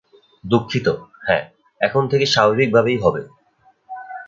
দুঃখিত, হ্যাঁ, এখন থেকে স্বাভাবিকভাবেই হবে।